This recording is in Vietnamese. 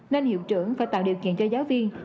nên hiệu trưởng phải tạo điều kiện cho giáo viên